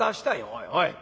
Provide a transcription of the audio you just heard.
「おいおい。